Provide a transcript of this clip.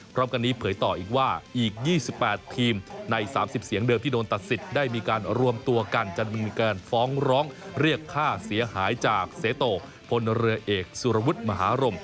พร้อมกันนี้เผยต่ออีกว่าอีก๒๘ทีมใน๓๐เสียงเดิมที่โดนตัดสิทธิ์ได้มีการรวมตัวกันจะมีการฟ้องร้องเรียกค่าเสียหายจากเสโตพลเรือเอกสุรวุฒิมหารม